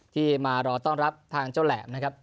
ที่มารอต้อนรับทางเจ้าแหลมนะครับ